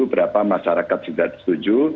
berapa masyarakat tidak setuju